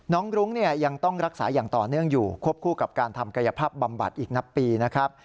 รุ้งเนี่ยยังต้องรักษาอย่างต่อเนื่องอยู่ควบคู่กับการทำกายภาพบำบัดอีกนับปีนะครับ